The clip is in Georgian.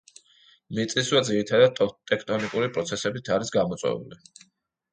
მიწისძვრა ძირითადად, ტექტონიკური პროცესებით არის გამოწვეული.